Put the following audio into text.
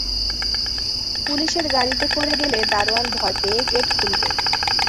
পুলিশের গাড়িতে করে গেলে দারোয়ান ভয় পেয়ে গেট খুলবে।